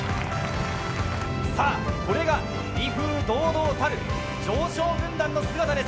さあ、これが威風堂々たる常勝軍団の姿です。